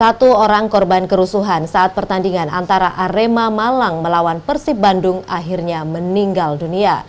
satu orang korban kerusuhan saat pertandingan antara arema malang melawan persib bandung akhirnya meninggal dunia